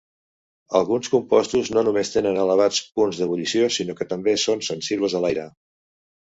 Alguns compostos no només tenen elevats punts d'ebullició sinó que també són sensibles a l'aire.